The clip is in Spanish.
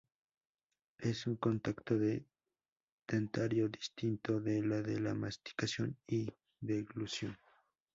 Es un contacto dentario distinto de los de la masticación y deglución.